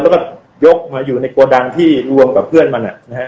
แล้วก็ยกมาอยู่ในโกดังที่รวมกับเพื่อนมันนะฮะ